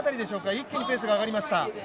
一気にペースが上がりました。